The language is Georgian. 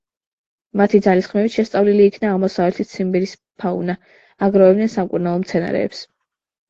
მათი ძალისხმევით შესწავლილი იქნა აღმოსავლეთი ციმბირის ფაუნა; აგროვებდნენ სამკურნალო მცენარეებს.